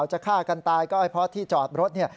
จะฆ่ากันตายก็เพราะที่จอดรถ